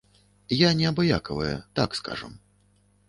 Я неабыякавая, так скажам.